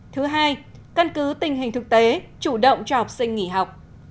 thứ hai căn cứ tình hình thực tế chủ động cho học sinh nghỉ học